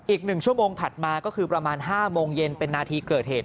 อีก๑ชั่วโมงถัดมาก็คือประมาณ๕โมงเย็นเป็นนาทีเกิดเหตุ